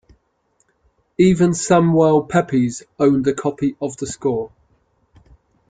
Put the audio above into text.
Even Samuel Pepys owned a copy of the score.